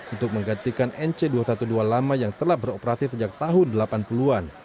untuk menggantikan nc dua ratus dua belas lama yang telah beroperasi sejak tahun delapan puluh an